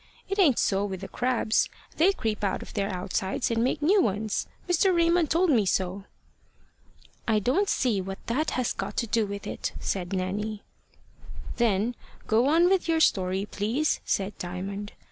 It ain't so with the crabs. They creep out of their outsides and make new ones. Mr. Raymond told me so." "I don't see what that has got to do with it," said Nanny. "Then go on with your story, please," said Diamond.